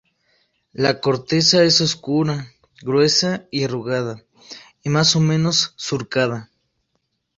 La corteza es oscura, gruesa y arrugada, y más o menos surcada.